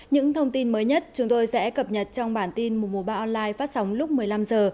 những thông tin mới nhất chúng tôi sẽ cập nhật trong bản tin mùa ba online phát sóng lúc một mươi năm h